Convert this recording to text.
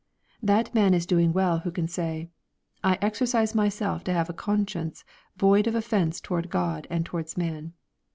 That man is doing well who can say, "I exercise myself to have a conscience void of offence toward God and toward man."